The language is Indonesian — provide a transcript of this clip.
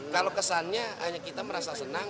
kalau kesannya hanya kita merasa senang